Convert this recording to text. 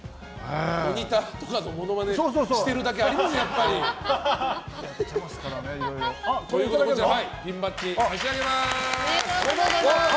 モニターとかのモノマネしてるだけありますよ。ということで、ピンバッジ差し上げます。